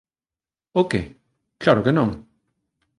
O que? Claro que non.